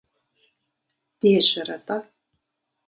Дежьэрэ-тӀэ?